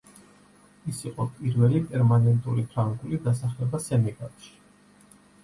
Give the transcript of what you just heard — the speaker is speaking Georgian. ის იყო პირველი პერმანენტული ფრანგული დასახლება სენეგალში.